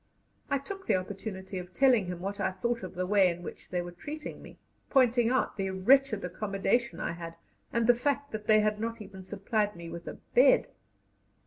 I took the opportunity of telling him what I thought of the way in which they were treating me, pointing out the wretched accommodation I had, and the fact that they had not even supplied me with a bed.